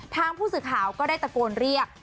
ทางผู้สื่อข่าวก็ได้ตะโกนเรียก